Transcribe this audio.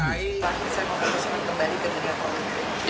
saya mau berusaha kembali ke dunia politik